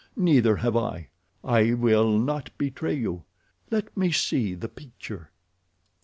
Neither have I. I will not betray you. Let me see the picture."